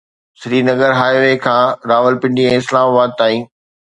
Srinagar highway وي کان Rawalpindi ۽ Islamabad تائين